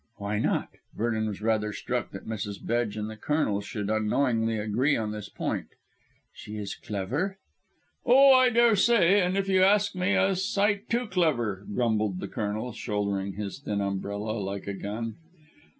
"Why not?" Vernon was rather struck that Mrs. Bedge and the Colonel should unknowingly agree on this point. "She is clever?" "Oh, I daresay, and, if you ask me, a sight too clever," grumbled the Colonel, shouldering his thin umbrella like a gun.